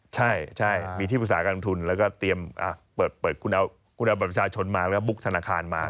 ใช่มีที่ปรึกษาการทุนแล้วก็เตรียมเปิดคุณเอาบัตรประชาชนมาแล้วบุ๊กธนาคารมา